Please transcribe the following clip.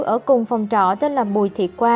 ở cùng phòng trọ tên là bùi thị qua